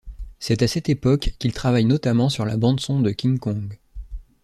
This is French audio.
C'est à cette époque qu'il travaille notamment sur la bande son de King Kong.